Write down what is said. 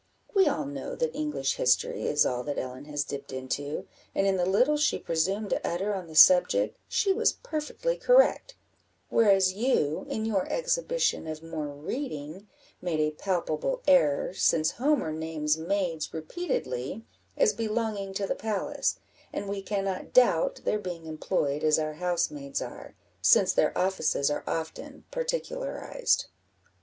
We all know that English history is all that Ellen has dipped into, and in the little she presumed to utter on the subject, she was perfectly correct; whereas you, in your exhibition of more reading, made a palpable error, since Homer names maids repeatedly as belonging to the palace, and we cannot doubt their being employed as our housemaids are, since their offices are often particularized."